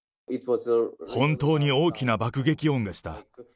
本当に大きな爆撃音がした。